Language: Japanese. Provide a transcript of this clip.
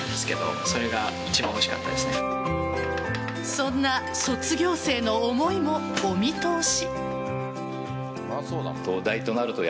そんな卒業生の思いもお見通し。